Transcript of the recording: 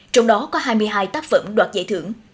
trong đó có hai mươi hai tác phẩm đoạt giải thưởng